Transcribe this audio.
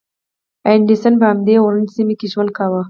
ایډېسن په همدې اورنج سیمه کې ژوند کاوه.